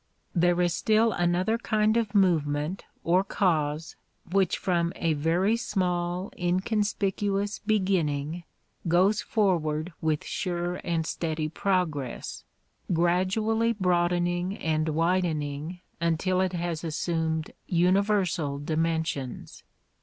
There is still another kind of movement or cause which from a very small, inconspicuous beginning goes forward with sure and steady progress, gradually broadening and widening until it has assumed universal dimensions.